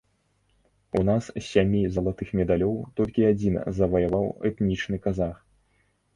У нас з сямі залатых медалёў толькі адзін заваяваў этнічны казах.